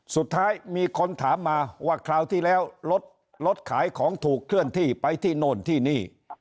สุดท้ายมีคนถามมาว่าคราวที่แล้วรถรถขายของถูกเคลื่อนที่ไปที่โน่นที่นี่